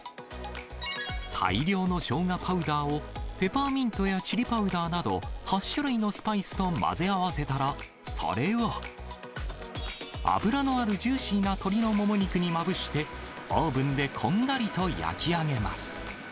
大量のショウガパウダーを、ペパーミントやチリパウダーなど、８種類のスパイスと混ぜ合わせたら、それを、脂のあるジューシーな鶏のもも肉にまぶして、オーブンでこんがりと焼き上げます。